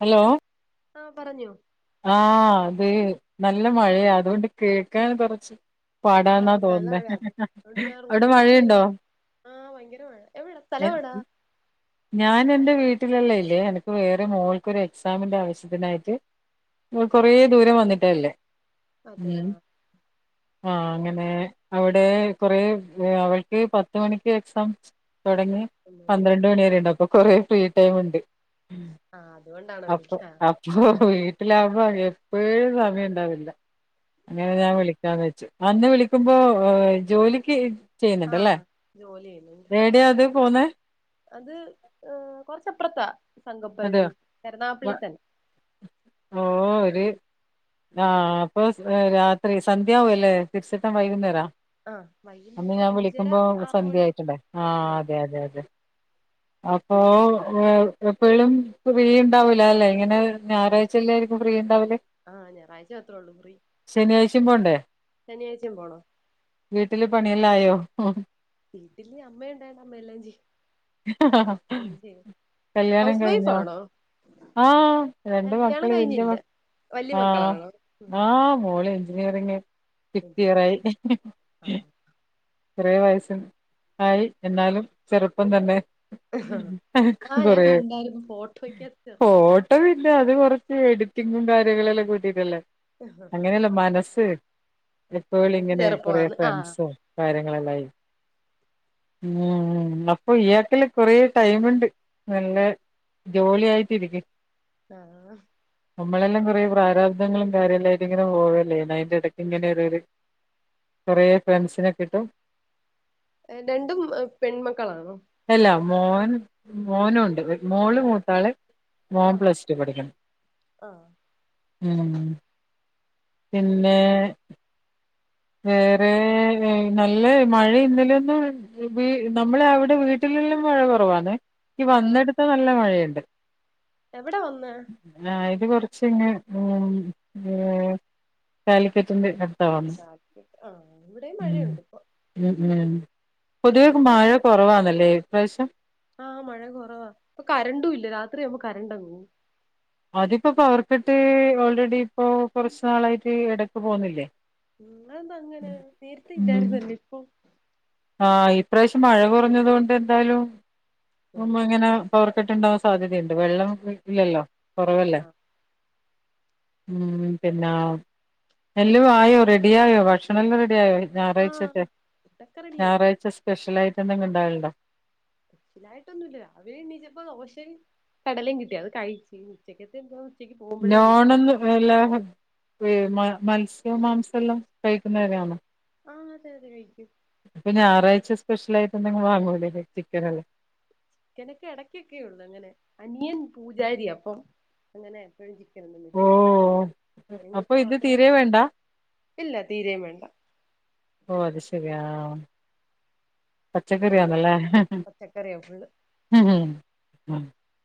Hello ആഹ് പറഞ്ഞോ ആഹ് അതെ നല്ല മഴയാ അതുകൊണ്ട് കേൾക്കാൻ കുറച്ച് ആഹ് പാടാന്നാ അത് നല്ല മഴയാ തോന്ന്ന്നേഅവിടെ മഴയുണ്ടോ ആഭയങ്കര മഴ എവിടാ സ്ഥലം എ- എവടാ ഞാൻ എൻറെ വീട്ടിലുള്ള ഇല്ലേ എനിക്ക് വേറെ മോൾക്ക് ഒരു എക്സാമിന്റെ ആവശ്യത്തിനായിട്ട് ഇങ്ങൾ കൊറെ ദൂരം വന്നിട്ടല്ലേ അതെയോ ആഹ് ആ അങ്ങനെ അവിടെ കൊറേ അവൾക്ക് പത്ത് മണിക്ക് എക്സാം തുടങ്ങി പന്ത്രണ്ട് മണി വരെ ഉണ്ട് അപ്പൊ കൊറേ ഫ്രീ ടൈം ഉണ്ട് ആഹ് അതുകൊണ്ടാണോ അപ്പ വിളിക്കാ അപ്പ ഹോ ഹോ വീട്ടിലാകുമ്പോ എപ്പോയെ സമയം ഉണ്ടാവില്ല അങ്ങനെ ആഹ് ഞാൻ വിളി [unintelligible] അന്ന് വിളിക്കുമ്പോ ജോലിക്ക് ചെയ്യുന്നുണ്ട്ല്ലേ ആഹ് ജോലി ചെയ്യുന്നുണ്ട് ഏടിയാ അത് പോന്നേ അത് ഹ് കൊറച്ചപ്പുറത്താ അതെയോ സംഘപ്പരരിൻ കരുണാകപ്പള്ളി വ- തന്നെ ഓ ഒര് ആഹ്അപ്പൊ രാത്രി സന്ധ്യ വോലെ തിരിച്ചെത്താൻ വൈകുന്നേ രാ ആഹ് വൈകുന്നേരം അന്ന് ഒരു ഞാൻ അഞ്ചര വിളിക്കുമ്പോ ആറ് സന്ധ്യ മണി ആയിട്ടുണ്ടേര്ന്ന് ആഹ് അതെ അതെ അതെ അപ്പോ എപ്പോഴും ഫ്രീ ഉണ്ടാവൂലല്ലെ ഇങ്ങനെ ഇല്ല ഞായറാഴ്ചല്ലായിരിക്കും ഫ്രീ ഉണ്ടാവല് ആഹ് ഞായറാഴ്ച മാത്രേ ശനിയാഴ്ച്ചിം പോണ്ടേ ശനിയാഴ്ച്ചിം പോണോ വീട്ടില് പണിയെല്ലാ ആയോ വീട്ടില് അമ്മ ഉണ്ടായൊണ്ട്അമ്മെല്ലാം ചെയ്യും ഹ് ഹ ഹ എല്ലാം ചെയ്യും കല്യാണം ഹൗസ് വൈഫ് കഴിഞ്ഞോ ആണോ ആഹ് എന്റെ കല്യാണം മക്കൾ വെല്ല്യ മ കഴിഞ്ഞില്ല വല്യ ആഹ് മക്കളാണോ ഉം ആഹ് ആ മോള് എഞ്ചിനീയറിങ് ഫിഫ്ത് ഇയർ ആയി ഹ് ഹ് ആഹ് കുറെ വയസ്സ് ആയി എന്നാലും ചെറുപ്പം തന്നെ ആഹ് ആഹ് ഞാൻ കൊറേ കണ്ടായിരുന്നു [unintelligible] ഫോട്ടോയ്ക്ക് ഇപ്പോ ഇല്ല അത് കുറച്ച് എഡിറ്റിങ്ങും കാര്യങ്ങളെല്ലാം കൂട്ടിട്ടല്ലേ അങ്ങനെയല്ല മനസ്സ് മനസ്സ് എപ്പോഇങ്ങനെ കൊറേ ചെറുപ്പമാണ് ആഹ് ഫ്രണ്ട്സും കാര്യങ്ങളല്ലായി ഉ അപ്പൊ ഈയാക്കല് കുറെ ടൈമുണ്ട് നല്ല ജോളി ആയിട്ടിരിക്ക് ആഹ് നമ്മളെല്ലാം കുറേ പ്രാരബ്ധദങ്ങളും കാര്യെല്ലായിട്ട് ഇങ്ങനെ പോവല്ലേ അതിന്റെ ഇടയ്ക്ക് ഇങ്ങനെ ഒരോരു കുറെ ഫ്രണ്ട്സിനെ കിട്ടും രണ്ടും പെൺമക്കളാണോ അല്ല മോൻ മോനുണ്ട് വെ ഓ മോള് മൂത്താള് മോൻ ആഹ് പ്ലസ്‌റ്റു പഠിക്ക്ണ് ആഹ് മ്മ് പിന്നെ വേറെ നല്ല മഴ ഇന്നലൊന്നും [unintelligible] നമ്മള അവിടെ വീട്ടിലെല്ലാം മഴ കുറവാണ് ഈ ആഹ് വന്നെടുത്താ നല്ല മഴയുണ്ട് എവിടെ വന്ന ഇന്നായത് കൊറച്ചിങ്ങ ഹ്മ് ഏ കാലിക്കറ്റ്ന്റെ അട്ത്താണ് ആഹ് ഇവിടേം മഴയൊണ്ടിപ്പൊ ഹ്മ് മൈ ഇപ്പൊ. കൊറവാണല്ലേ ഇപ്രാവ്ശ്യം. ആഹ് മഴ കൊറവാ ഇപ്പൊ കരണ്ടുല്ല രാത്രിയാവുംമ്പ കറണ്ടങ്ങ് പോവും. അതിപ്പോ പവർക്കെട്ട് ഓൾറെഡി ഇപ്പൊ കൊറച്ച് നാളായിട്ട് എടക്ക് പോന്നില്ലേ. ഉം ന്നാന്താ അങ്ങനെ നേര്ത്തെ ഉം ഇല്ലായ്ര്ന്നല്ല ഇപ്പൊ. ആഹ് ഇപ്രാവ്ശ്യം മഴ കൊർഞ്ഞതോണ്ട് എന്തായാലും ഉം, മുംമ്പിങ്ങനെ. പവർ കട്ട് ഇണ്ടാവാൻ സാധ്യതയുണ്ട് വെള്ളം ഇല്ലല്ലൊ ഇല്ല കൊറവല്ലേ. ഹ്മ് പിന്നാ എല്ലു ആയോ റെഡി ആയോ ഭക്ഷണെല്ലാ റെഡിയായോ ഞാറാഴ്ചത്തെ. എത്തറ ഞാറാഴ്ച സ്പെഷ്യലായിട്ട് എന്തെങ്കിലിണ്ടാവലിണ്ടോ സ്പെഷ്യലായ്ട്ടൊന്നുല്ല രാവിലെണ്ണീച്ചപ്പോ ദോശയും കടലേം കിട്ടി അത് കൈച്ച് ഉച്ചക്കെത്തെന്തുവാ നോണെന്ന് എല്ലാ ഹ് മ മത്സ്യ മാംസെല്ലാം കഴിക്കുന്നവരാന്നൊ ആഹ് അതെ അതെ കഴിക്കും. അപ്പൊ ഞാറായ്ച്ച സ്പെഷ്യലായ്ട്ടെന്തെങ്കു വാങ്ങൂലെ ചിക്കനല്ലേ. ചിക്കനെക്കെ എടക്കൊക്കെയുള്ളു അങ്ങനെ അനിയൻ പൂജാരിയാ അപ്പം അങ്ങനെ എപ്പഴും ചിക്കനൊന്നും മേടിക്കത്തില്ല ഓ അപ്പൊ ഞങ്ങക്ക് ഇത് തീരെ മാത്രായിട്ട് വേണ്ട ഇല്ല തീരേയും വേണ്ട ഓ അത് ശെരി ആ ആ പച്ചക്കറിയാന്നല്ലേ പച്ചക്കറിയാ ഫുള്ള്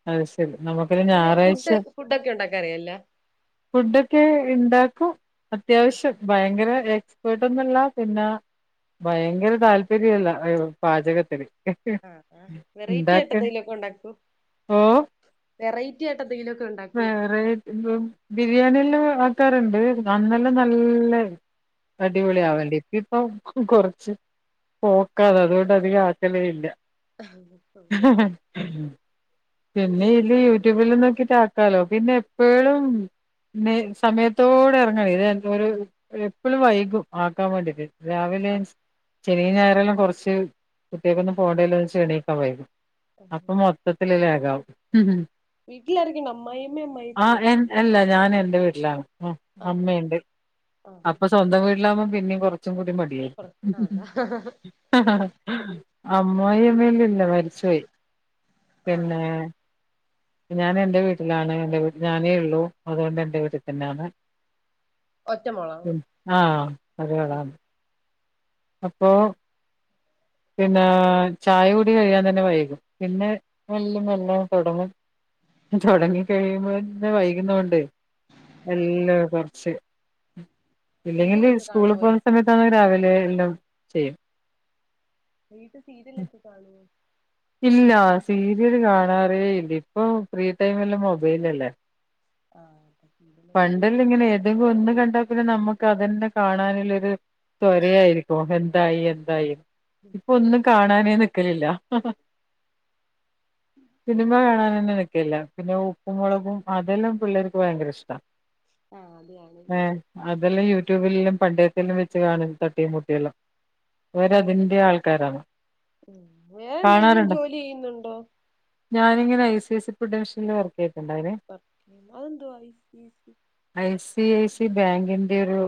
അഹ് ശെ എന്ത് നമുക്കൊരു എങ്ങനെ ഞാറായ്ച ഫുഡ് ഫുഡൊക്കെ ഉണ്ടാക്കാൻ അറിയാല്ല ഫുഡൊക്കെ ഇണ്ടാക്കും അത്യാവശ്യം ഭയങ്കര എക്സ്പേട്ടൊന്നുഅല്ല പിന്നെ ഭയങ്കര താൽപര്യല്ല അയോ പാചകത്തില്. ആഹ് ആഹ് വെറൈറ്റി ആയിട്ട് ഇണ്ടാക്കാൻ എന്തെങ്കിലുമൊക്കെ ഉണ്ടാക്കോ ഓപ വെറൈറ്റി ആയിട്ട് എന്തെങ്കിലു ഒക്കെ ഇണ്ടാക്കോ? ഉം ബിരിയാണിയെല്ലാം ആക്കാറ്ണ്ട് അന്നെല്ലാം നല്ല അടിപൊളി ആഹ് ആവെണ്ടി ഇപ്പൊ കൊ കൊറ്ച്ച് പോക്കാണ് അത്കൊണ്ട് അധിക ആക്കൽ ഇല്ല പിന്നെ ഇല് യൂട്യൂബ്ല് നോക്കിട്ട് ആ ക്കാലോ പിന്നെ എപ്പഴേലും ന്നെ സമയത്തോടെ എർങ്ങായി [unintelligible] എപ്പഴും വൈകും ആക്കാൻ വേണ്ടിട്ട് രാവിലെ ആഹ് ശ് ശെനി ഞായറെല്ലാം കൊർച്ച് കുട്ട്യാക്കൊന്നും പോണ്ടെല്ലൊച് എണീക്കാൻ വൈകും. അപ്പൊ മൊത്തത്തില് ലാഗാവും വീട്ടിലാരൊക്കെണ്ട് അമ്മായിയമ്മേ ആ അമ്മായ്അച്ചനും എൻ അല്ല ഞാൻഎന്റെ വീട്ട്ലാണ് ഉം ആണോ അമ്മയ്ണ്ട് ആഹ് അപ്പ സ് സ്വന്തം വീട്ടിലാകവുമ്പോം പിന്നേം കൊർച്ചും കൂടി കൊറ മടിയായിര്ക്കും അതാ അമ്മായിയമ്മ ഇല്ല മരിച്ചുപോയി ആണോ പിന്നെ ഞാൻ എന്റെ വീട്ട്ലാണ് എന്റെ വീട്ട്ൽ ഞാനേ ഉള്ളൂ അതുകൊണ്ട് എന്റെ വീട്ട് തന്നാന്ന് ഒറ്റ മോളാണോ? ആഹ് ഒരാളാണ്. അപ്പോ പിന്നെ ചായകുടി കഴിയാൻ തന്നെ വൈകും പിന്നെ മെല്ല മെല്ലെ തൊട്ങ്ങും തൊട്ങ്ങി കഴിയുമ്പോന്നെ വൈകുന്നോണ്ട് ആഹ് എല്ലാ കൊർച്ച് ഇല്ലെങ്കില് സീരിയലൊക്കെ കാണുവോ സ്കൂളിൽ പോന്ന വൈകിട്ട് സമയത്താണെ രാവിലെ എല്ലാം ചെയ്യും. വീട്ട് സീര്യലൊക്കെ കാണോ? ഇല്ല സീരിയല് കാണാറേ ഇല്ല ഇപ്പൊ ഫ്രീ ടൈമെല്ലാ മൊബൈൽലല്ലേ ആഹ് സീരിയല് പണ്ടല്ലോ ഇങ്ങനെ ഇത് ഒന്ന് കണ്ടാ പിന്നെ നമ്മുക്ക് അതന്നെ കാണാന്ള്ളൊര് തൊരയായ്ര്ക്കും അപ ന്തായി എന്തായി ഇപ്പൊന്നും കാണാനേ നിക്കലില്ല സിനിമ കാണാൻ തന്നെ നിക്കലില്ല പിന്നെ ഉപ്പും മുളകും അതെല്ലാം പിള്ളേർക്ക് ഭയങ്കര ഇഷ്ട്ടാ ആഹ് അതെയാണല്ലേ ഏഹ് അതെല്ലാം യൂട്യൂബിലും പണ്ടേത്തിലും വെച്ച് കാണും തട്ടിയും മുട്ടിയെല്ലാം ഇവരതിന്റെ ആൾക്കാരാണ് വേറെ എന്തെങ്കിലും കാണാറുണ്ടോ ജോലി ചെയ്യുന്നുണ്ടോ ഞാനിങ്ങനെ ഐ സി സി പ്രൊഡക്ഷനിൽ വർക്ക് ചെയ്തിട്ടുണ്ടായിനി അതെന്തുവാ I C C I C I C ബാങ്കിന്റെ ഒരു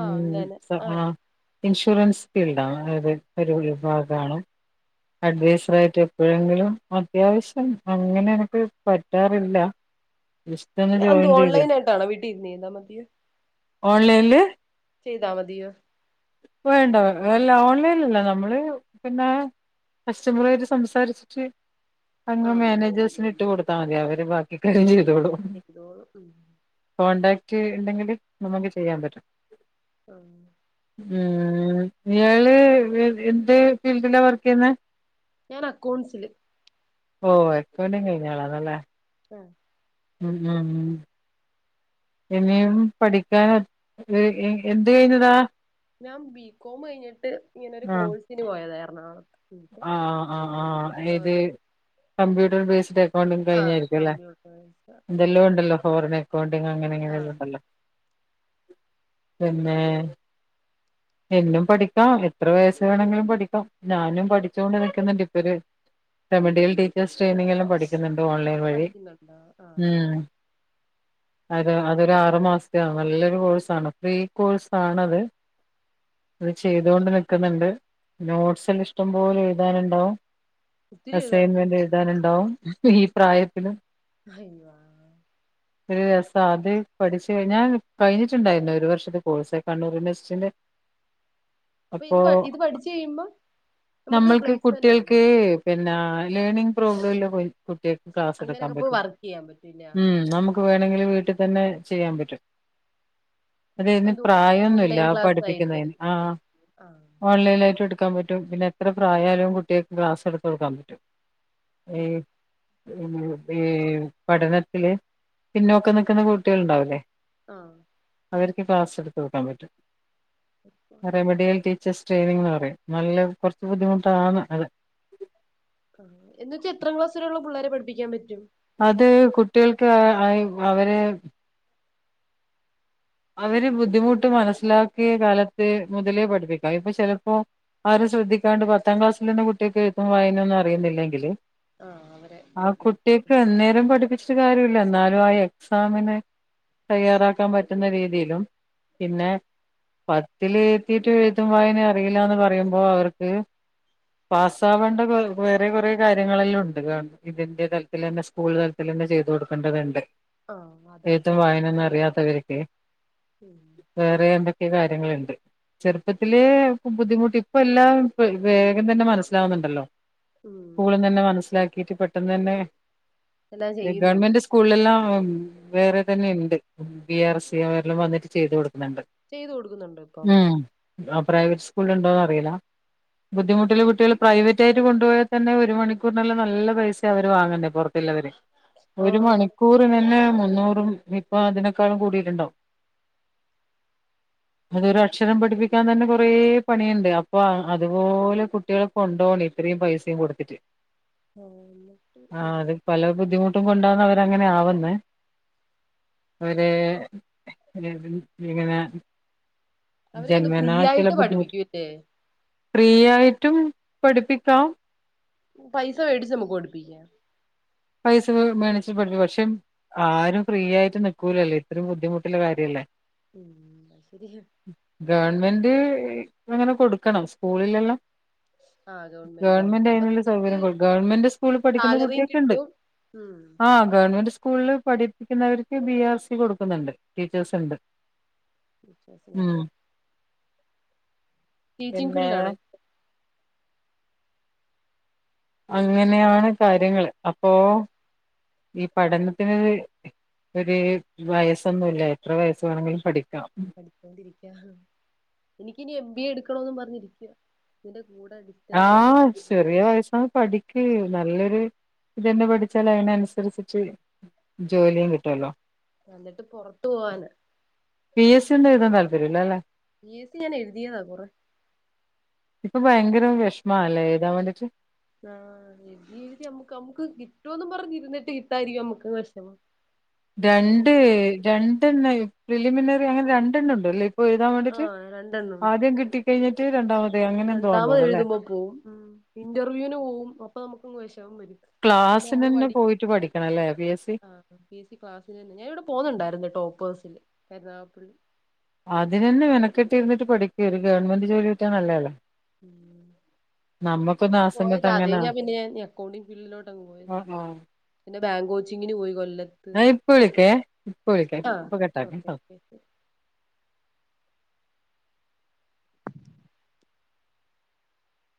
ആഹ് അങ്ങനെ ആ ആഹ് ഇൻഷുറൻസ് ഫീൽഡ് ആണ് അതായത് ഒരു വിഭാഗമാണ് അഡ്വൈസർ ആയിട്ട്, എപ്പോഴെങ്കിലും അത്യാവശ്യം അങ്ങനെ എനിക്ക് പറ്റാറില്ല ജസ്റ്റ് ഒന്ന് അതെന്തോ ജോയിൻ ചെയ്തേ ഓണലൈനായിട്ട് ആണോ വീട്ടിലിരുന്ന ചെയ്താ മതിയോ ഓൺലൈനിൽ ചെയ്താൽ മതിയോ വേണ്ട, അല്ല ഓൺലൈനല്ല നമ്മള് പിന്നെ കസ്റ്റമറുആയിട്ട് സംസാരിച്ചി അങ്ങ് ആഹ് മാനേജേഴ്സിന് ഇട്ട് കൊടുത്താ മതി അവര് ബാക്കി കാര്യം ചെയ്തോളും എന്തോ ഉം കോൺടാക്ട് ഉണ്ടെങ്കിൽ നമുക്ക് ചെയ്യാൻ പറ്റും ആഹ് ഏഹ് ഇയാള് എ എന്ത് ഫീൽഡിലാ വർക്കെയ്യുന്നെ ഞാൻ അക്കൗണ്ട്സില് ഓഹ് അക്കൗണ്ടിങ് കഴിഞ്ഞാളാണല്ലെ [unintelligible] എന്താണ് ഇനിയും പഠിക്കാൻ എ എ എന്ത് കഴിഞ്ഞതാ ഞാൻ ബി കോം കഴിഞ്ഞിട്ട് ഇങ്ങനെ ഒരു കോഴ്സിന് പോയതാർന്നു. ആഹ് ആഹ് ആഹ് ആഹ് ഏത് കമ്പ്യൂട്ടർ ബേസ്ഡ് അക്കൗണ്ടിങ്ങ് ആഹ് കഴിഞ്ഞായിരിക്കുംലെ കമ്പ്യൂട്ടർ സയൻസ് അക്കൗണ്ടിങ് എന്തെല്ലാം ഉണ്ടല്ലോ ഫോറിൻ അക്കൗണ്ടിങ്ങ് അങ്ങനെ ഇങ്ങനെയെല്ലാം ആഹ് ഉണ്ടല്ലോ പിന്നെ എന്നും പഠിക്കാം എത്ര വയസ്സ് വേണമെങ്കിലും പഠിക്കാം ഞാൻ ഉം ഉം പഠിച്ചോണ്ട് ഇരിക്ക്ന്ണ്ട് ഇപ്പൊരു റമഡിയൽ ടീച്ചേഴ്സ് ട്രെയിനിങ്ങ് എല്ലാം പഠി പഠിക്കുന്നുണ്ട് ഓൺലൈൻ വഴി പഠിക്കുന്നുണ്ടോ ആഹ് ഉം അത് അതൊരു ആറു മാസത്ത ആണ്. നല്ലൊരു കോഴ്സാണ് ഫ്രീ കോഴ്സ് ആണത് ഇത് ചെയ്തോണ്ട് നിക്കുന്നുണ്ട് നോട്സെല്ലാം ഇഷ് ഇഷ്ടം പോലെ എഴുതാനുണ്ടാവും ഒത്തിരി അസൈൻമെന്റ് എഴുതാനുണ്ടല്ലേ എഴുതാനുണ്ടാവും ഈ പ്രായത്തിലും ഹൈവ ഒരു രസം അത് പഠിച്ച് കഴിഞ്ഞാ കഴിഞ്ഞ്ട്ടുണ്ടായിരുന്നു ഒരു വർഷത്തെ കോഴ്സ് കണ്ണൂർ യൂണിവേഴ്സിറ്റിന്റെ അപ്പൊ ഇത് അപ്പോ ഇത് പഠിച്ചു കഴിയുമ്പോ നമുക്ക് നമ്മൾക്ക് പ്ലേസ്മെന്റ് കുട്ടികൾക്ക് ഉണ്ടോ പിന്നെ ലേണിങ് പ്രോബ്ലല്ലാം പോയി കുട്ടികക്ക് ക്ലാസ് എടുക്കാൻ അങ്ങനെയൊക്കെ പോയി പറ്റും വർക്ക് ചെയ്യാൻ പറ്റൂല്ല ഉം നമുക്ക് വേണെങ്കിൽ വീട്ടിൽ തന്നെ ചെയ്യാൻ പറ്റും അതെ അയ്ന് എന്തോ പ്രായൊന്നുല്ല ഓൺലൈൻ ക്ലാസ് ആയിട്ട് പഠിപ്പിക്കുന്നതിന് ആ പഠിപ്പിക്കും ആഹ് ഓൺലൈൻ ആയിട്ട്ട് എടുക്കാൻ പറ്റും പിന്നെ എത്ര പ്രായാലും കുട്ടിയാക്ക് ക്ലാസ് എടുത്ത് കൊടുക്കാൻ പറ്റും ഈ ആഹ് ഈ പഠനത്തില് പിന്നോക്കം നിക്കുന്ന കുട്ടികൾ ഉണ്ടാവില്ലേ ആഹ് അവർക്ക് ക്ലാസ് എടുത്ത് കൊടുക്കാൻ പറ്റും റമഡിയൽ ടീച്ചേഴസ് ട്രെയിനിങ്ന്ന് പറയും നല്ല കൊർച്ച് ബുദ്ധിമുട്ടാണ് അത് ആ എന്ന് വച്ചാ എത്രാം ക്ലാസ് വരെയുള്ള പിള്ളേരെ പഠിപ്പിക്കാൻ പറ്റും അത് കുട്ടികൾക്ക് [unintelligible] അവര് അവര് ബുദ്ധിമുട്ട് മനസ്സിലാക്കിയ കാലത്ത് മുതലേ പഠിപ്പിക്കാം ഇപ്പൊ ചെലപ്പോ ആരും ശ്രദ്ധിക്കാണ്ട് പത്താം ക്ലാസ്സില് ള്ള കുട്ടിയാക്ക് എഴ്ത്തും വായനൊന്നും അറിയുന്നില്ലെങ്കില് ആഹ് അവരെ ആ തൊട്ട് കുട്ടിയക്കന്നേരം പഠിപ്പിച്ച ച്ച്ട്ട് കാര്യല്ല ന്നാലും എക്സാമിന് തയ്യറാക്കാൻ പറ്റ റ്റുന്ന രീതിയിലും പിന്നെ പത്ത്ല് എത്തീട്ട് എഴുത്തും വായന അറിയില്ലാന്ന് പറയുമ്പോ അവർക്ക് പാസ് ആവേണ്ട [unintelligible] വേറെ കൊറേ കാര്യങ്ങളെല്ലാം ഉണ്ട് ഗവ ഇതിന്റെ തലത്തിലന്നെ സ്കൂൾ തലത്തി ലന്നെ ചെയ്തു കൊടുക്കേണ്ടത്ണ്ട് എഴുത്തും വായനൊന്നും അറിയാത്തവർ ഉം വേറെ എന്തൊക്കെ കാര്യങ്ങള്ണ്ട് ചെർപ്പത്തില് ബുദ്ധിമുട്ട് ഇപ്പ എല്ലാം വേഗം തന്നെ മനസ്സിലാവുന്നുണ്ടല്ലോ ഉം സ്കൂള തന്നെ മനസ്സിലാക്കിട്ട് പെട്ടെന്ന് തന്നെ എല്ലാം ചെയ്യുന്നുണ്ട് ഗവൺമെന്റ് സ് കൂളെല്ലാം വേറെ തന്നെ ഉണ്ട് ബി ആർ സി അവരെല്ലാം വന്നിട്ട് ചെയ്ത് കൊടുക്കുന്നുണ്ട്. ചെയ്തു കൊടുക്കുന്നുണ്ടോ ഇപ്പം. ഉം ആ പ്രൈവറ്റ് സ്കൂൾ ഉണ്ടോന്ന് അറിയില്ല. ബുദ്ധിമുട്ടുള്ള കുട്ടികൾ പ്രൈവറ്റ ആയിട്ട് കൊണ്ടുപോയാൽ തന്നെ ഒരു മണിക്കൂറിനല്ല നല്ല പൈസ അവര് വാങ്ങണ്ടേ പുറ ത്തുള്ളവർ. ഒരു ആഹ് മണിക്കൂർനെ തന്നെ മുന്നൂറും ഇപ്പൊ അതിന ക്കളും കുടിയിട്ടുണ്ടാവും. അതൊരു അക്ഷരം പഠിപ്പിക്കാൻ തന്നെ കൊറ പണിയുണ്ട് അപ്പൊ ആ അതുപോലെ കുട്ടികൾ കൊണ്ടൊണ് ഇത്രയും പൈസയും കൊടുത്തിട്ട് ആ എന്നിട്ട് ആ ഉം അത് പല ബുദ്ധിമുട്ടും കൊണ്ടാണ് അവർ അങ്ങനെ ആവുന്ന. അവര് [unintelligible] ഇങ്ങനെ അവർക്കെന്താ ജന്മന ഫ്രീ ചില ആയിട്ട് ബുദ്ധിമുട്ട് പഠിപ്പിക്കൂല്ലേ ഫ്രീ ആയിട്ടും പഠിപ്പിക്കാം. പൈസ വേട്ടച്ച് നമ്മുക്ക് പഠിപ്പിക്കം. പൈസ വെ മേണിച്ചിട്ട പാടുപികം പക്ഷെ ആരും ഫ്രീ ആയിട്ട് നികുലല്ലോ ഇത്രയും ബുദ്ധിമുട്ടുള്ള കാര്യല്ലേ. ഉം ആ ശരി ഗവൺമെന്റ് അങ്ങനെ കൊടുക്കണം സ്കൂളിലെല്ലാം. ആഹ് ആഹ് ഗവൺമെന്റ് അപ്പൊ അയിനുള്ള നിങ്ങക്ക് സൗകര്യ കൊ ഗവൺമെന്റ് സ്കൂളിൽ പഠിക്കുന്ന സാലറിയും കുട്ടികൾക്കെയുണ്ട്. കിട്ടും ഉം ആഹ് ഗവൺമെന്റ് സ്കൂളിൽ പഠിപ്പിക്കുന്നവർക്ക് ബി എർ സി കൊടുക്കുന്നുണ്ട് ടീച്ചേഴ്സ് ഉണ്ട്. ടീച്ചേർസ് ന ഉം ടീച്ചിങ് പിന്നെ ഫിൽഡ് ആണ്. അങ്ങനെയാണ് കാര്യങ്ങൾ അപ്പോ ആഹ് ഈ പഠനത്തിന് ഒരു വയസ്സൊന്നുല്ല എത്ര വയസ്സ് വേണമെങ്കിലും പഠിക്കാം. പഠിച്ചിട്ടേ ഇരിക്ക എനിക്ക് ഇനി എം ബി എ എടുക്കണന്ന് പറഞ്ഞിരിക്ക ഇതിന്റെ കൂടെ ഡി ആഹ് ചെറിയ വയസ്സന്ന് പഠി [unintelligible] നല്ലൊരു ഇതന്നെ പഠിച്ചാൽ അതിനനുസരിച്ചിട്ട് ജോലി കിട്ടല്ലോ എന്നിട്ട് പുറത്തു പോവാന്. പി എ സി ഒന്നും എഴുതാൻ താല്പര്യമില്ലല്ലേ. പി എ സി ഞാൻ എഴുയതാ കുറെ ഇപ്പൊ ഭയങ്കര വിഷമല്ലേ എഴതാൻ വേണ്ടിട്ട്. ആഹ് എഴുതി എഴുതി നമ്മുക്ക് നമക്ക് കിട്ടുവന്ന് പറഞ്ഞ ഇരുന്നിട്ട് കിട്ടാരിക്കും നമ്മുക്ക് വിഷമം. രണ്ട് രണ്ടെണ്ണ ഫിലിമിനറി അങ്ങനെ രണ്ടെണ്ണണ്ടല്ലേ. എഴുതാൻ വേണ്ടിടെ ആഹ് രണ്ടെണ്ണം ഉണ്ട് ആദ്യം കിട്ടി കഴിഞ്ഞിട്ട് രണ്ടാമതേ അങ്ങനെ എന്തോ രണ്ടാമത് തോന്നല്ലേ. എഴുതുമ്പോ പോവും ഉം ഇന്റർവ്യൂവിന് പോവും അപ്പൊ നമുക്ക് വിഷമം വരും അപ്പൊ നമ്മള് ക്ലാസ്സിനന്നെ പഠി പോയിട്ട് പഠിക്കണല്ലേ പി എസ് സി. ആഹ് പി എസ് സി ക്ലാസിനന്നെ ഞാനവിടെ പോകുന്നുണ്ടായിരുന്നുട്ടോ പ്പേഴ്സിൽ കരുനാഗപള്ളി. അതിനന്നെ മെനക്കെട്ടിരിന്നിട്ട് പഠിക്ക് ഒരു ഗവൺമെന്റ് ജോലി കിട്ടിയാ നല്ലതല്ലോ. ഉം ഞാൻ ആ പോയത സമയത്ത് അതെ അങ്ങനാ ഞാൻ പിന്നെ അക്കൗണ്ടിങ് ഫീൽഡിലോട്ട് അങ്ങ് പോയത്. ആ ആ പിന്നെ ബാങ്ക് കോച്ചിങ്ങിന് പോയി കൊല്ലത്ത് ഞാൻ ഇപ്പ വിളിക്കേ ഇപ്പ വിളിക്കാം ആഹ് ഇപ്പൊ കട്ടാക്കാം ഓകെ ട്ടോ കെ